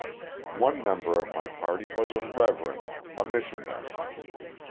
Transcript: ] One member of my party was a "reverend" a missionary.